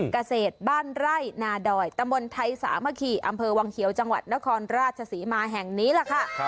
เกษตรบ้านไร่นาดอยตำบลไทยสามะขี่อำเภอวังเขียวจังหวัดนครราชศรีมาแห่งนี้แหละค่ะ